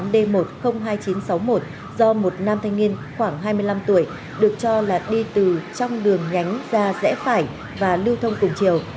do một nam thanh niên khoảng hai mươi năm tuổi được cho là đi từ trong đường nhánh ra rẽ phải và lưu thông cùng chiều